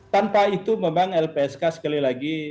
tanpa itu memang lpsk sekali lagi